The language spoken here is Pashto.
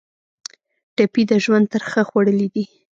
ټپي د ژوند ترخه خوړلې ده.